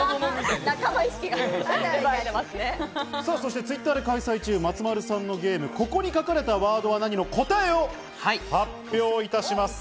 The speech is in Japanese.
Ｔｗｉｔｔｅｒで開催中、松丸さんのゲーム、「ここに書かれたワードは何？」の答えを発表いたします。